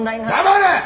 黙れ！